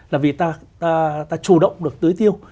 là vì ta chủ động được tưới tiêu